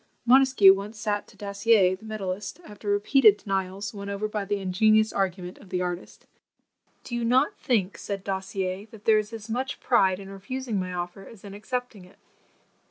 Montesquieu once sat to Dassier the medallist, after repeated denials, won over by the ingenious argument of the artist; "Do you not think," said Dassier, "that there is as much pride in refusing my offer as in accepting it?"